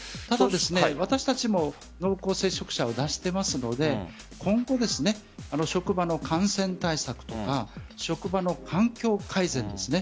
ただ、私たちも濃厚接触者を出していますので今後、職場の感染対策とか職場の環境改善